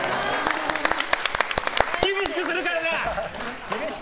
厳しくするからな！